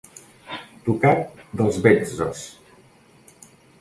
Tocat dels betzos!